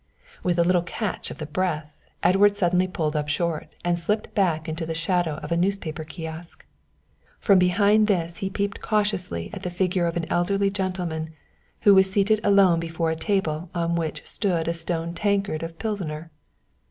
With a little catch of the breath, Edward suddenly pulled up short and slipped back into the shadow of a newspaper kiosk. From behind this he peeped cautiously at the figure of an elderly gentleman who was seated alone before a table on which stood a stone tankard of Pilsener.